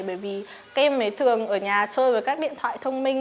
bởi vì các em mới thường ở nhà chơi với các điện thoại thông minh